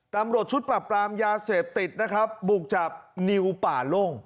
ตำรวจชุดปรับปรามยาเสพติดนะครับบุกจับนิวป่าโล่ง